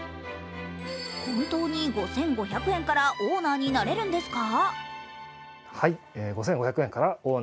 本当に５５００円からオーナーになれるんですか？